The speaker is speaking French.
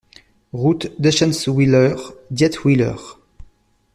Route d'Eschentzwiller, Dietwiller